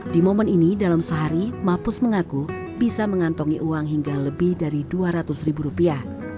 di momen ini dalam sehari mapus mengaku bisa mengantongi uang hingga lebih dari dua ratus ribu rupiah